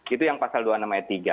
itu yang pasal dua puluh enam ayat tiga